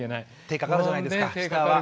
手かかるじゃないですか下は。